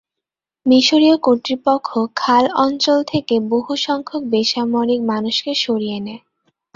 মিশরীয় কর্তৃপক্ষ খাল অঞ্চল থেকে বহুসংখ্যক বেসামরিক মানুষকে সরিয়ে নেয়।